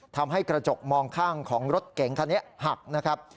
ทำให้กระจกมองข้างของรถเก๋งคันนี้หักนะครับ